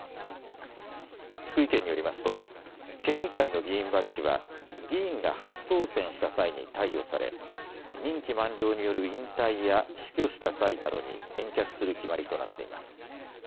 福井県によりますと県議会の議員バッジは議員が初当選した際に貸与され任期満了による引退や死去した際などに返却する決まりとなっています。